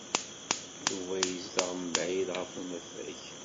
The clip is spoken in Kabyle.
Yuba yezdeɣ mebɛid ɣef unafag.